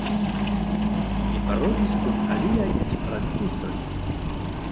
Mi parolis kun aliaj Esperantistoj